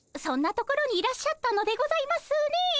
そんな所にいらっしゃったのでございますね。